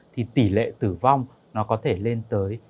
thì tỷ lệ tử vong nó có thể lên tới hai mươi